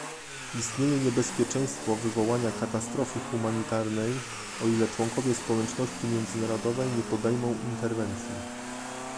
Istnieje niebezpieczeństwo wywołania katastrofy humanitarnej o ile członkowie społeczności międzynarodowej nie podejmą interwencji